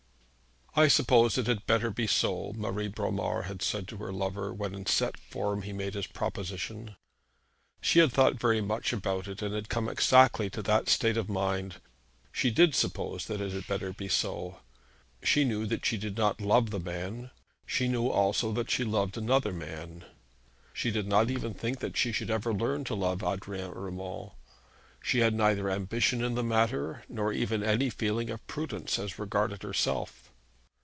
'I suppose it had better be so,' Marie Bromar had said to her lover, when in set form he made his proposition. She had thought very much about it, and had come exactly to that state of mind. She did suppose that it had better be so. She knew that she did not love the man. She knew also that she loved another man. She did not even think that she should ever learn to love Adrian Urmand. She had neither ambition in the matter, nor even any feeling of prudence as regarded herself.